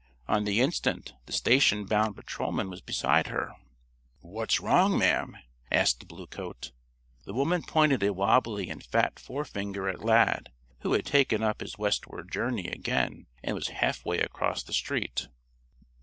On the instant the station bound patrolman was beside her. "What's wrong, ma'am?" asked the bluecoat. The woman pointed a wobbly and fat forefinger at Lad, who had taken up his westward journey again and was halfway across the street.